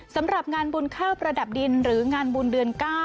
สำหรับงานบุญข้าวประดับดินหรืองานบุญเดือน๙